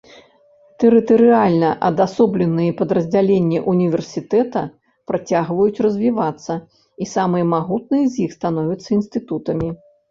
Тэрытарыяльна адасобленыя падраздзяленні ўніверсітэта працягваюць развівацца і самыя магутныя з іх становяцца інстытутамі.